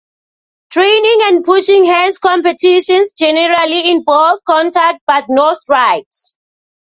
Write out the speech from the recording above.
Training and pushing hands competitions generally involve contact but no strikes.